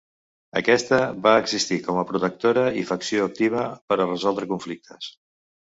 Aquesta va existir com a protectora i facció activa per a resoldre conflictes.